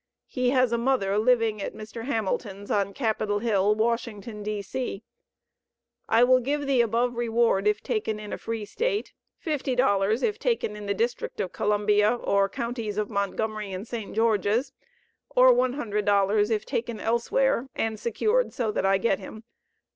He has a mother living at Mr. Hamilton's, on Capitol Hill, Washington, D.C. I will give the above reward if taken in a free State; $50 if taken in the District of Columbia or counties of Montgomery and Prince George's, or $100 if taken elsewhere and secured so that I get him.